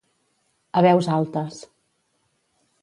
A veus altes.